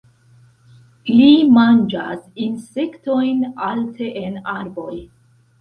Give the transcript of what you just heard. Ii manĝas insektojn alte en arboj.